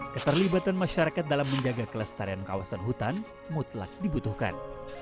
keterlibatan masyarakat dalam menjaga kelestarian kawasan hutan mutlak dibutuhkan